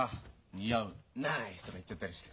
「似合う」「ナイス！」とか言っちゃったりして。